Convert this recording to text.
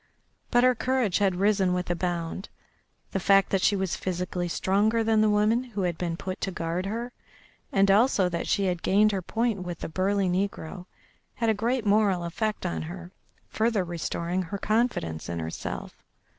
But her courage had risen with a bound; the fact that she was physically stronger than the woman who had been put to guard her, and also that she had gained her point with the burly negro, had a great moral effect on her, further restoring her confidence in herself.